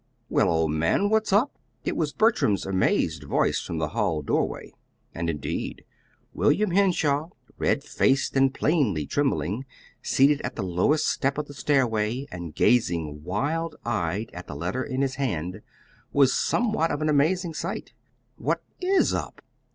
"Well, old man, what's up?" It was Bertram's amazed voice from the hall doorway; and indeed, William Henshaw, red faced and plainly trembling, seated on the lowest step of the stairway, and gazing, wild eyed, at the letter in his hand, was somewhat of an amazing sight. "What IS up?"